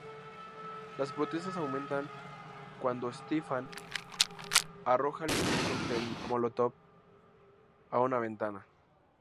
Las protestas aumentan cuando Stefan arroja el primer cóctel molotov a una ventana.